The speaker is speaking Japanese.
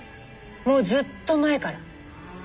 もうずっと前から。